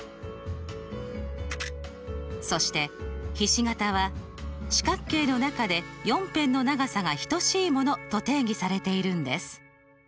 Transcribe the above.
そしてひし形は「四角形の中で４辺の長さが等しいもの」と定義されているんです。